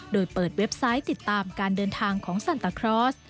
โดยเปิดเว็บไซต์ติดตามการเดินทางของซันตาครอส